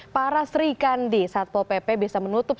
para sri kandi satpol pp bisa menutup